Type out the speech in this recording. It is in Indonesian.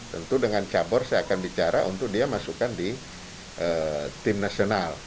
tentu dengan cabur saya akan bicara untuk dia masukkan di tim nasional